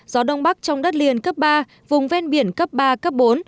gió đông bắc trong đất liền cấp ba vùng ven biển cấp ba cấp bốn